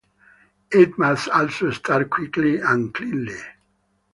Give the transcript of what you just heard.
It must also start quickly and cleanly.